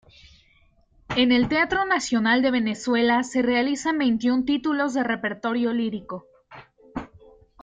En el Teatro Nacional de Venezuela se realizan veintiún títulos de repertorio lírico.